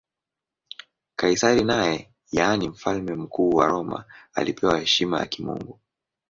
Kaisari naye, yaani Mfalme Mkuu wa Roma, alipewa heshima ya kimungu.